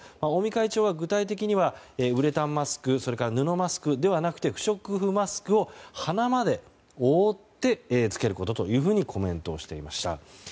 尾身会長は具体的にはウレタンマスクそれから布マスクではなくて不織布マスクを鼻まで覆って着けることとコメントをしていました。